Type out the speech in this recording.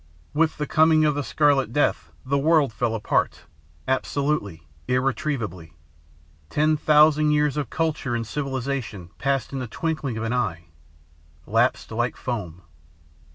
With the coming of the Scarlet Death the world fell apart, absolutely, irretrievably. Ten thousand years of culture and civilization passed in the twinkling of an eye, 'lapsed like foam.'